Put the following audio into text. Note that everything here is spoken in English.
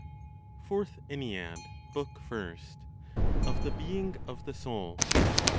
FOURTH ENNEAD, BOOK FIRST. Of the Being of the Soul.